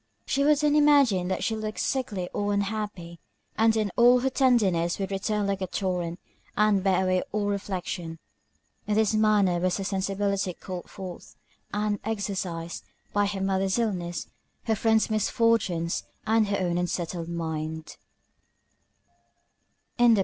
She would then imagine that she looked sickly or unhappy, and then all her tenderness would return like a torrent, and bear away all reflection. In this manner was her sensibility called forth, and exercised, by her mother's illness, her friend's misfortunes, and her own unsettled mind.